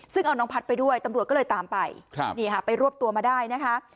ซึ่งเอาน้องพัดไปด้วยตำรวจก็เลยตามไปนี่ค่ะไปรวบตัวมาได้นะคะ